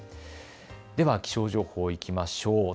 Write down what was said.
では気象情報、いきましょう。